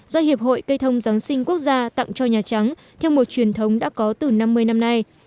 do hiệp hội cây thông giáng sinh quốc gia tặng cho nhà trắng theo một truyền thống đã có từ năm mươi năm nay